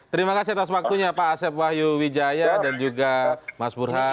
terima kasih atas waktunya pak asep wahyu wijaya dan juga mas burhan